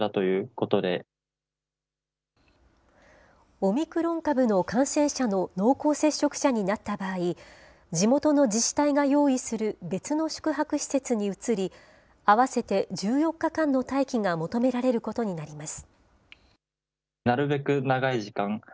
オミクロン株の感染者の濃厚接触者になった場合、地元の自治体が用意する別の宿泊施設に移り、合わせて１４日間の待機が求められることになります。